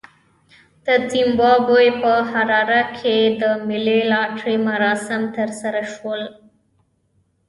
د زیمبابوې په حراره کې د ملي لاټرۍ مراسم ترسره شول.